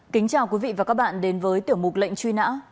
kính chào quý vị và các bạn đến với tiểu mục lệnh truy nã